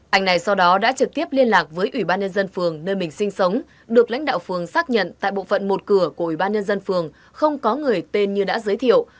anh này sau đó đã trực tiếp liên lạc với ủy ban nhân dân phường nơi mình sinh sống được lãnh đạo phường xác nhận tại bộ phận một cửa của ủy ban nhân dân phường không có người tên như đã giới thiệu